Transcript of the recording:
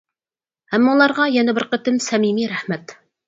ھەممىڭلارغا يەنە بىر قېتىم سەمىمىي رەھمەت!